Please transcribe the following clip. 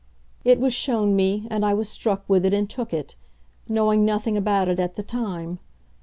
It was shown me, and I was struck with it and took it knowing nothing about it at the time.